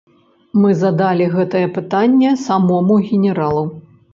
Мы задалі гэтае пытанне самому генералу.